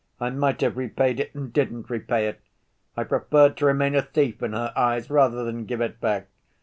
"I might have repaid it and didn't repay it. I preferred to remain a thief in her eyes rather than give it back.